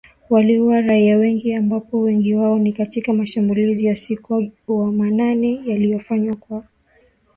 Waliua raia wengi ambapo wengi wao ni katika mashambulizi ya usiku wa manane yaliyofanywa kwa kutumia mapanga na mashoka.